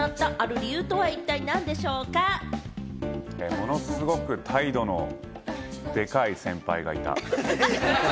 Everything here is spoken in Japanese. ものすごく態度のデカい先輩がいた。